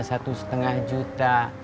satu setengah juta